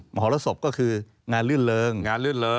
มหรสบก็คืองานลื่นเริงงานลื่นเริง